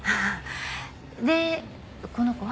でこの子は？